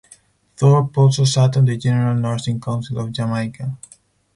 Thorpe also sat on the General Nursing Council of Jamaica.